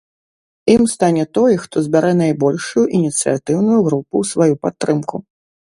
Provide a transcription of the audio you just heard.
Ім стане той, хто збярэ найбольшую ініцыятыўную групу ў сваю падтрымку.